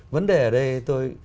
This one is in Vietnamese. vấn đề ở đây tôi